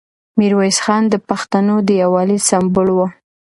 میرویس خان د پښتنو د یووالي سمبول و.